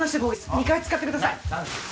２階使ってください。